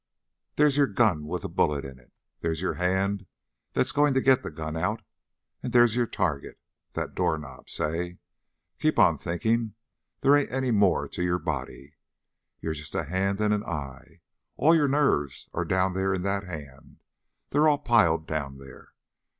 There's your gun with a bullet in it; there's your hand that's going to get the gun out; and there's your target that doorknob, say! Keep on thinking. They ain't any more to your body. You're just a hand and an eye. All your nerves are down there in that hand. They're all piled down there.